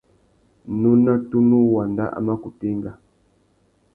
Nôna tunu wanda a mà kutu enga.